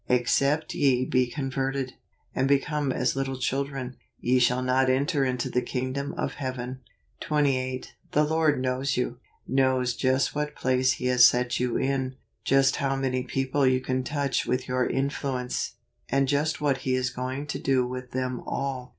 "Except ye be converted , and become as little children, ye shall not enter into the kingdom of heaven." 28. The Lord knows you; knows just what place He has set you in; just how many people you can touch with your in¬ fluence, and just what He is going to do with them all.